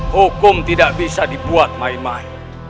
hukum tidak bisa dibuat main main